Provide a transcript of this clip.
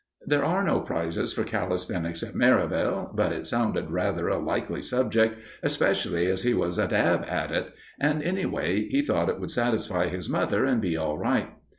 There are no prizes for calisthenics at Merivale; but it sounded rather a likely subject, especially as he was a dab at it. And, anyway, he thought it would satisfy his mother and be all right.